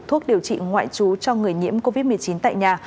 thuốc điều trị ngoại trú cho người nhiễm covid một mươi chín tại nhà